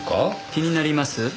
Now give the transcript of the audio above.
気になります？